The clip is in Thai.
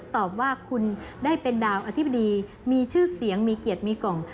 ตอบว่าคุณได้เป็นดาวอธิบดีมีชื่อเสียงมีเกียรติมีกล่อง